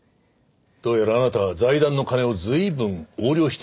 どうやらあなたは財団の金を随分横領しているようだな。